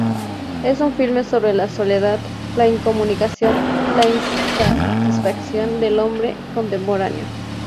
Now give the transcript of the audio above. Es un filme sobre la soledad, la incomunicación, la insatisfacción, del hombre contemporáneo.